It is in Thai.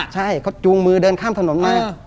ใช่เขาจูงมือเดินข้ามถนนมา